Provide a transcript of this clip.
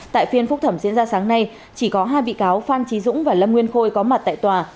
tại phiên phúc thẩm diễn ra sáng nay chỉ có hai bị cáo phan trí dũng và lâm nguyên khôi có mặt tại tòa